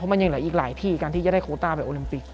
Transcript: มันยังเหลืออีกหลายที่การที่จะได้โคต้าไปโอลิมปิก